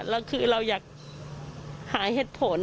แล้วคือเราอยากหาเหตุผล